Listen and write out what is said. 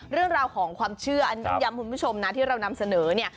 เรื่องราวของความเชื่ออันนี้ย้ำคุณผู้ชมนะที่เรานำเสนอเนี่ย